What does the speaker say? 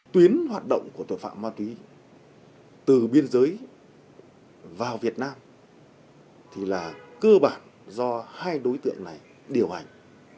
tuyến hoạt động của tội phạm ma túy từ biên giới vào việt nam thì là cơ bản do hai đối tượng này điều hành